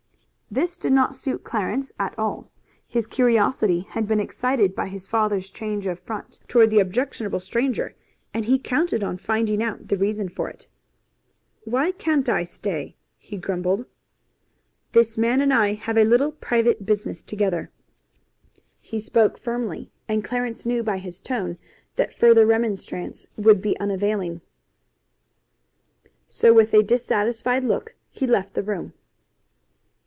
This did not suit Clarence at all. His curiosity had been excited by his father's change of front toward the objectionable stranger, and he counted on finding out the reason for it. "Why can't I stay?" he grumbled. "This man and I have a little private business together." He spoke firmly, and Clarence knew by his tone that further remonstrance would be unavailing, so with a dissatisfied look he left the room.